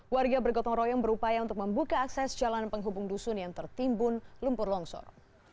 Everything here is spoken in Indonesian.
warga bergotong royong berupaya untuk membuka akses jalan penghubung dusun yang tertimbun lumpur longsor